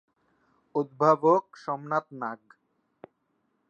উদ্ভাবক সোমনাথ নাগ।